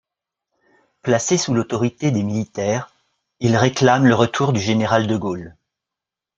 Placés sous l'autorité des militaires, ils réclament le retour du général de Gaulle.